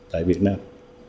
tại việt nam